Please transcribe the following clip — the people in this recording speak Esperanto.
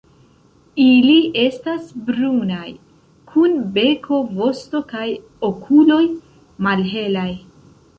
Ili estas brunaj, kun beko, vosto kaj okuloj malhelaj.